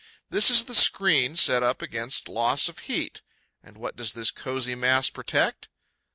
This is the screen set up against loss of heat. And what does this cosy mass protect?